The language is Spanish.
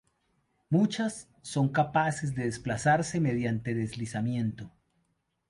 Muchas son capaces de desplazarse mediante deslizamiento.